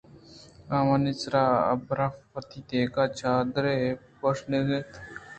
آوانی سر ابرف ءَ وتی دگہ چادرے پوشیتگ اَت